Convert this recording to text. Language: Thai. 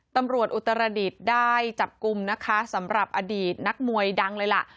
ตำรวจอุตรดิษฐ์ได้จับกลุ้มสำหรับอดีตนักมวยดังเลยล่ะ